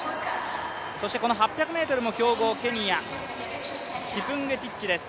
そしてこの８００ｍの強豪ケニア、キプンゲティッチです。